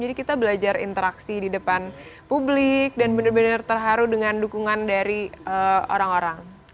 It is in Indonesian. jadi kita belajar interaksi di depan publik dan benar benar terharu dengan dukungan dari orang orang